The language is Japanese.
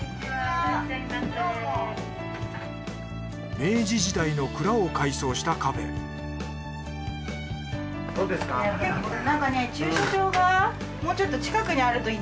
明治時代の蔵を改装したカフェ駐車場